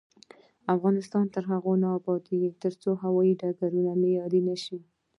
افغانستان تر هغو نه ابادیږي، ترڅو هوايي ډګرونه معیاري نشي.